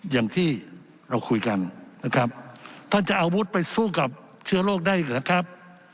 อย่างที่เราคุยกันนะครับท่านจะอาวุธไปสู้กับเชื้อโรคได้หรือครับ